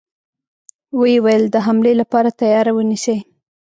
و يې ويل: د حملې له پاره تياری ونيسئ!